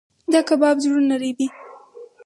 دا کباب زړونه رېبي.